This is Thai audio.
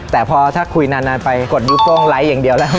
แต่พอถ้าคุยนานไปกดนิ้วโป้งไลค์อย่างเดียวแล้ว